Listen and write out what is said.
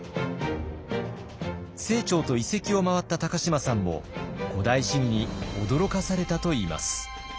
清張と遺跡を回った高島さんも「古代史疑」に驚かされたといいます。